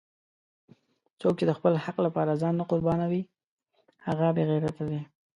څوک چې د خپل حق لپاره ځان نه قربانوي هغه بېغیرته دی!